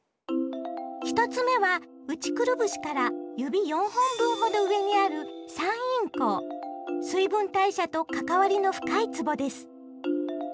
１つ目は内くるぶしから指４本分ほど上にある水分代謝と関わりの深いつぼです。